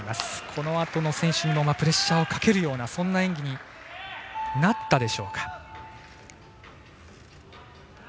このあとの選手にもプレッシャーをかけるようなそんな演技になったでしょうか。